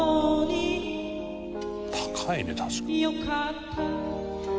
「高いね確かに」